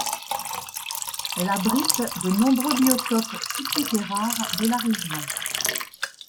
Elle abrite de nombreux biotopes typiques et rares de la région.